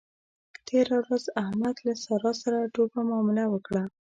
تېره ورځ احمد له له سارا سره ډوبه مامله وکړه.